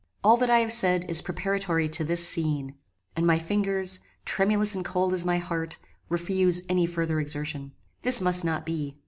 All that I have said is preparatory to this scene, and my fingers, tremulous and cold as my heart, refuse any further exertion. This must not be.